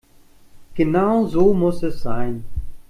Genau so muss es sein.